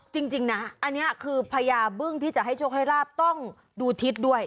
จริงนะอันนี้คือพญาบึ้งที่จะให้โชคให้ลาบต้องดูทิศด้วย